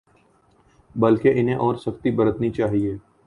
بلکہ انہیں اور سختی برتنی چاہیے۔